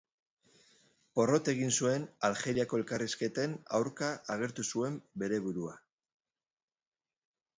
Porrot egin zuten Aljeriako elkarrizketen aurka agertu zuen bere burua.